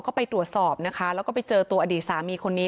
ก็ไปตรวจสอบนะคะแล้วก็ไปเจอตัวอดีตสามีคนนี้